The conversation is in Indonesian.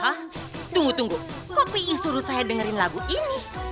hah tunggu tunggu kok pi'i suruh saya dengerin lagu ini